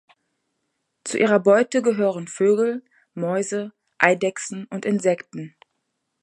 Zu ihrer Beute gehören Vögel, Mäuse, Eidechsen und Insekten.